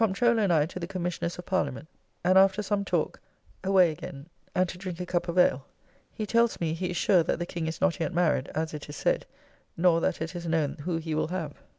] The Comptroller and I to the Commissioners of Parliament, and after some talk away again and to drink a cup of ale. He tells me, he is sure that the King is not yet married, as it is said; nor that it is known who he will have.